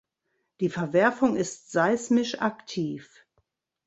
Die Verwerfung ist seismisch aktiv.